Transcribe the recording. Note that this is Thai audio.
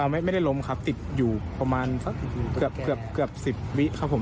ไม่ได้ล้มครับติดอยู่ประมาณสักเกือบ๑๐วิครับผม